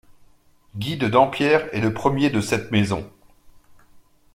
Guy de Dampierre est le premier de cette maison.